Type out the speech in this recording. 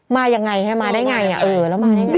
มายังไงมาได้ไงเออแล้วมาได้ไง